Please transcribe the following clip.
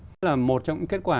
đó là một trong những kết quả